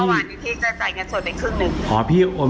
หนึ่งอ๋อพี่แต่จ่ายเงินสดไปครึ่งหนึ่งอ๋อพี่โอนไป